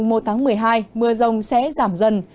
mưa rông sẽ giảm dần